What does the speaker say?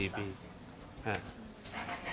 ไม่ได้มานาน๑๓ปี๑๔ปี